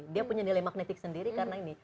dia punya nilai magnetik sendiri karena ini